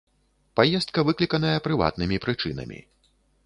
Паездка выкліканая прыватнымі прычынамі.